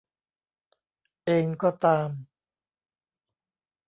เองก็ตาม